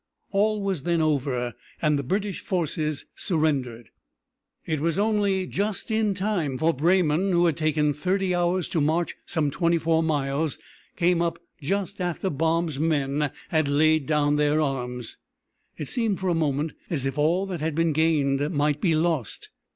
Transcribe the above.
All was then over, and the British forces surrendered. It was only just in time, for Breymann, who had taken thirty hours to march some twenty four miles, came up just after Baum's men had laid down their arms. It seemed for a moment as if all that had been gained might be lost.